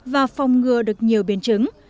và phòng ngừa được nhiều biến chứng